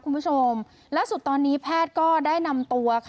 คุณผู้ชมล่าสุดตอนนี้แพทย์ก็ได้นำตัวค่ะ